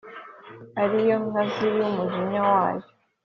ari yo nkazi y’umujinya wayo